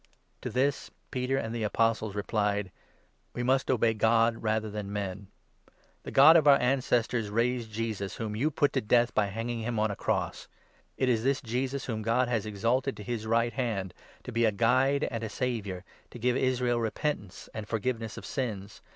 To this Peter and the Apostles replied : 29 "We must obey God rather than men. The God of our 30 ancestors raised Jesus, whom you put to death by hanging him on a cross. It is this Jesus whom God has exalted to 31 his right hand, to be a Guide and a Saviour, to give Israel repentance and forgiveness of sins.